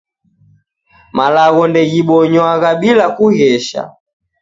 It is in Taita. Malagho ndeghibonywaghwa bila kughesha